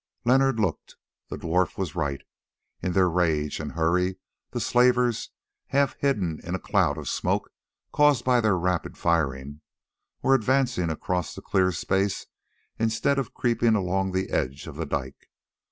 Leonard looked. The dwarf was right: in their rage and hurry the slavers, half hidden in a cloud of smoke caused by their rapid firing, were advancing across the clear space instead of creeping along the edge of the dike.